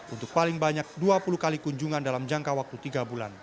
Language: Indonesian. untuk paling banyak dua puluh kali kunjungan dalam jangka waktu tiga bulan